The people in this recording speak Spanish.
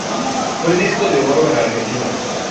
Fue disco de oro en Argentina.